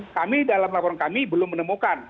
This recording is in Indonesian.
kami dalam laporan kami belum menemukan